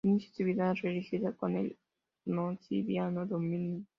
Inicio su vida religiosa en el noviciado dominico.